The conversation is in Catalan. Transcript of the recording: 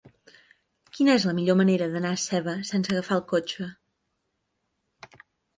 Quina és la millor manera d'anar a Seva sense agafar el cotxe?